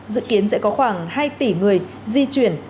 dự kiến sẽ có khoảng hai tỷ người di chuyển